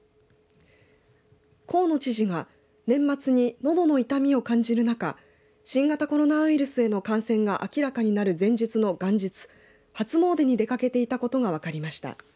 河野知事が年末に、のどの痛みを感じる中新型コロナウイルスへの感染が明らかになる前日の元日初詣に出かけていたことが分かりました。